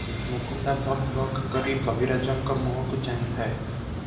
ମୁକୁନ୍ଦା ଭକଭକ କରି କବିରାଜଙ୍କ ମୁହଁକୁ ଚାହିଁଥାଏ ।